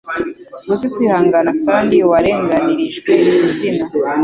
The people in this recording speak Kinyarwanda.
Uzi kwihangana kandi warenganirijwe izina